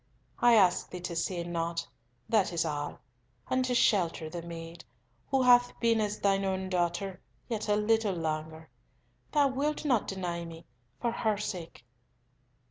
I ask thee to say nought, that is all, and to shelter the maid, who hath been as thine own daughter, yet a little longer. Thou wilt not deny me, for her sake."